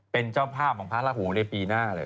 เป็นเจ้าภาพของพระราหูในปีหน้าเลย